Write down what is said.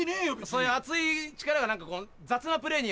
そういう熱い力が雑なプレーに表れてるから。